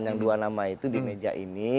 yang dua nama itu di meja ini